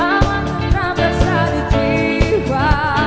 awan ku perasa di jiwa